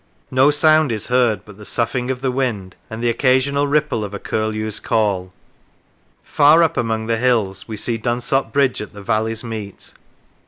No sound is heard but the soughing of the wind and the occasional ripple of a curlew's call. Far up among the hills we see Dunsop Bridge at the valleys' meet.